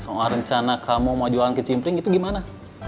soal rencana kamu mau jualan ke cimpring itu gimana